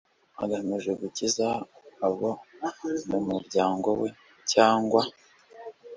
Agamije gukiza abo mu muryango we cyangwa